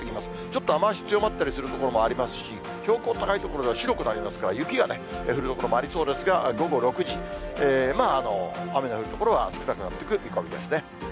ちょっと雨足強まったりする所もありますし、標高高い所では白くなりますから、雪がね、降る所もありそうですが、午後６時、雨の降る所は少なくなっていく見込みですね。